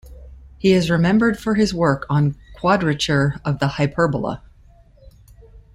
He is remembered for his work on quadrature of the hyperbola.